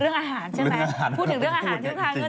เรื่องอาหารใช่ไหมเรื่องอาหารพูดถึงเรื่องอาหาร